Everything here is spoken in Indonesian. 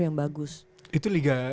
yang bagus itu liga